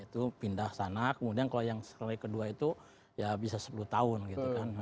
itu pindah sana kemudian kalau yang kedua itu ya bisa sepuluh tahun gitu kan